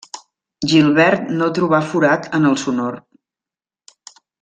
Gilbert no trobà forat en el sonor.